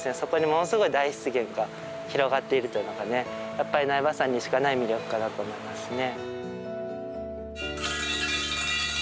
やっぱり苗場山にしかない魅力かなと思いますね。